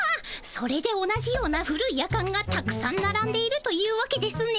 それで同じような古いヤカンがたくさんならんでいるというわけですね。